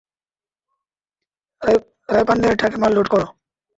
রায়প্পানের ট্রাকে মাল লোড করো।